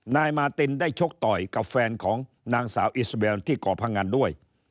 นายมาตินได้ชกต่อยกับแฟนของนางสาวอิสเบลที่ก่อพงันด้วย